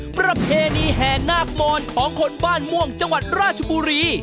ประเพณีแห่นาคมอนของคนบ้านม่วงจังหวัดราชบุรี